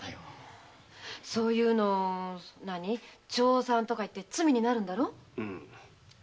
そういうのを逃散とか言って罪になるんだろ。